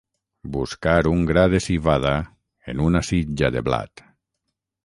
Buscar un gra de civada en una sitja de blat.